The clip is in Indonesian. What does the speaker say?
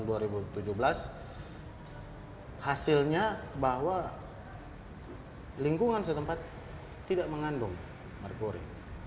di tahun dua ribu tujuh belas hasilnya bahwa lingkungan setempat tidak mengandung merkuri